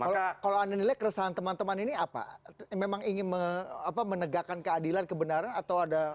kalau anda nilai keresahan teman teman ini apa memang ingin menegakkan keadilan kebenaran atau ada